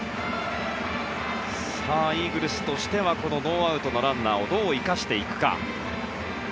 イーグルスとしてはこのノーアウトのランナーをどう生かしていくか。